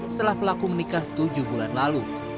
setelah pelaku menikah tujuh bulan lalu